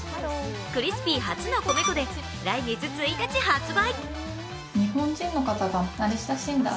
クリスピー初の米粉で来月１日発売。